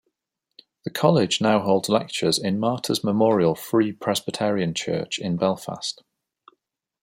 The college now holds lectures in Martyrs Memorial Free Presbyterian Church in Belfast.